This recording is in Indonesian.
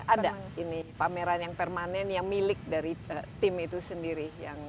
ada ini pameran yang permanen yang milik dari tim itu sendiri